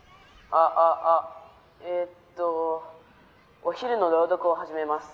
「あああえっとお昼の朗読をはじめます。